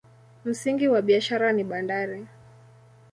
Msingi wa biashara ni bandari.